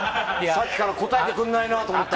さっきから答えてくれないなと思ったら。